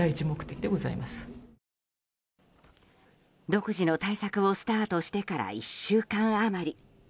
独自の対策をスタートしてから１週間余り。